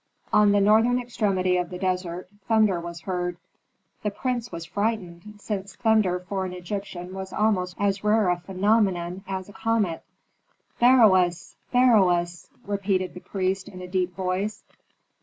On the northern extremity of the desert, thunder was heard. The prince was frightened, since thunder for an Egyptian was almost as rare a phenomenon as a comet. "Beroes! Beroes!" repeated the priest in a deep voice.